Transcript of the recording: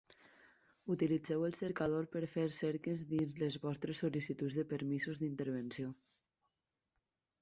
Utilitzeu el cercador per fer cerques dins les vostres sol·licituds de permisos d'intervenció.